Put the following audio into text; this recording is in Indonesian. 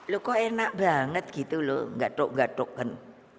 lo kok enak banget gitu lo gatuk gatukkan